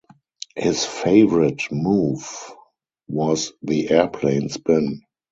His favorite move was the airplane spin.